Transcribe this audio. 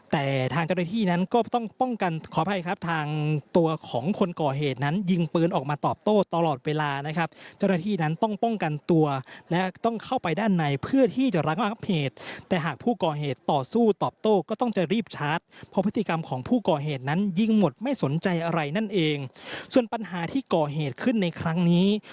แต่ทางเจ้าหน้าที่นั้นก็ต้องป้องกันขออภัยครับทางตัวของคนก่อเหตุนั้นยิงปืนออกมาตอบโต้ตลอดเวลานะครับเจ้าหน้าที่นั้นต้องป้องกันตัวและต้องเข้าไปด้านในเพื่อที่จะระงับเหตุแต่หากผู้ก่อเหตุต่อสู้ตอบโต้ก็ต้องจะรีบชาร์จเพราะพฤติกรรมของผู้ก่อเหตุนั้นยิงหมดไม่สนใจอะไรนั่นเองส่วนปัญหาที่ก่อเหตุขึ้นในครั้งนี้